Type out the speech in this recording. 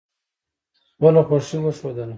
خپله خوښي وښودله.